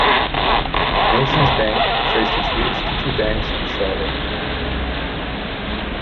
NationsBank traced its roots to two banks in Charlotte.